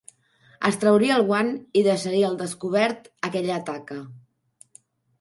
Es trauria el guant i deixaria al descobert aquella taca